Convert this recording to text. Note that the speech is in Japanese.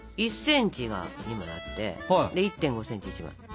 １ｃｍが２枚あって１．５ｃｍが１枚。